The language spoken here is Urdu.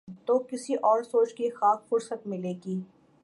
تو کسی اور سوچ کی خاک فرصت ملے گی۔